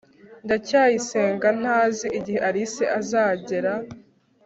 ndacyayisenga ntazi igihe alice azagera